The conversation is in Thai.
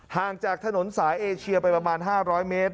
ห่างจากถนนสายเอเชียไปประมาณ๕๐๐เมตร